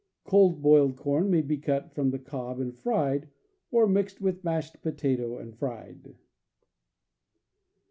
Cold boiled corn may be cut from the cob and fried, or mixed with mashed potato and fried.